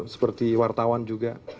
seperti wartawan juga